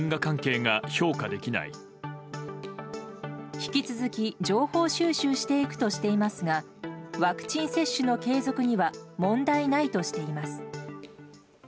引き続き情報収集していくとしていますがワクチン接種の継続には問題ないとしています。